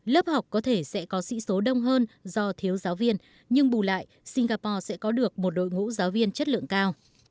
lớp học có thể sẽ có sĩ số đông hơn do thiếu giáo viên nhưng bù lại singapore sẽ có được một đội ngũ giáo viên chất lượng cao